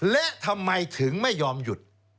และทำไมถึงไม่ยอมหยุด